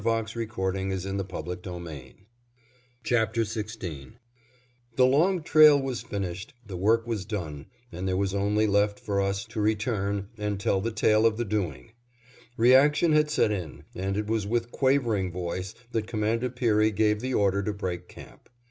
CHAPTER XVI THE FAST TREK BACK TO LAND The long trail was finished, the work was done, and there was only left for us to return and tell the tale of the doing. Reaction had set in, and it was with quavering voice that Commander Peary gave the order to break camp.